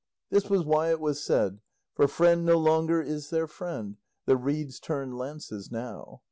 This was why it was said For friend no longer is there friend; The reeds turn lances now.